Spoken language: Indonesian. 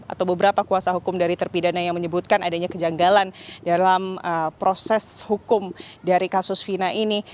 atau beberapa kuasa hukum dari terpidana yang menyebutkan adanya kejanggalan dalam proses hukum dari kasus fina ini